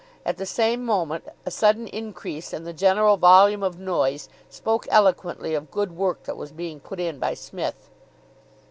At the same moment a sudden increase in the general volume of noise spoke eloquently of good work that was being put in by Psmith.